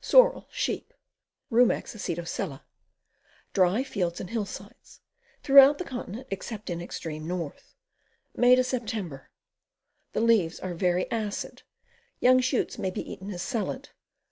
Sorrel, Sheep. Rumex Acetosella. Dry fields and hill sides. Throughout the continent, ejccept in extreme north. May Sep. The leaves are very acid. Young shoots may be eaten as a salad.